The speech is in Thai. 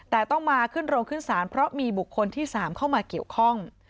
แต่ต้องมาขึ้นโรงขึ้นศาลเพราะมีบุคคลที่๓เข้ามาเกี่ยวข้อง